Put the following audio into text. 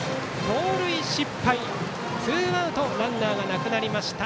盗塁失敗、ツーアウトでランナーなくなりました。